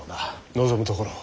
望むところ。